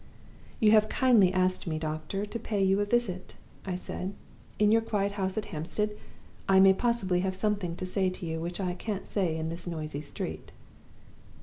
"'You have kindly asked me, doctor, to pay you a visit,' I said. 'In your quiet house at Hampstead, I may possibly have something to say to you which I can't say in this noisy street.